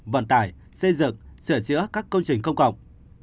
vận tải xây dựng sửa chữa các công trình công cộng